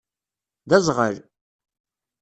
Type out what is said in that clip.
D aẓɣal.